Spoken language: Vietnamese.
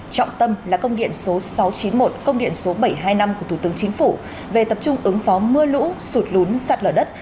trọng tâm là công điện số sáu trăm chín mươi một công điện số bảy trăm hai mươi năm của thủ tướng chính phủ về tập trung ứng phó mưa lũ sụt lún sạt lở đất